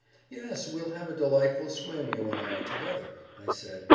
'Yes, we'll have a delightful swim, you and I together,' I said.